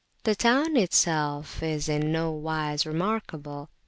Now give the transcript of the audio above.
The town itself is in no wise remarkable.